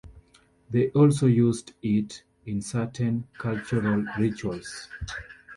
They also used it in certain cultural rituals.